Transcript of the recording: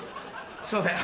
すみません